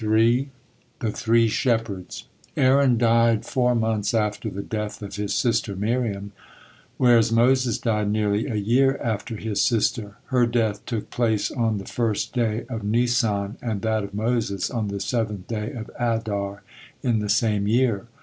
THE THREE SHEPHERDS Aaron died four months after the death of his sister Miriam, whereas Moses died nearly a year after his sister. Her death took place on the first day of Nisan, and that of Moses on the seventh day of Adar in the same year.